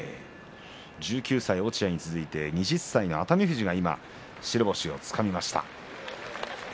１９歳、落合に続いて２０歳の熱海富士が白星をつかみました。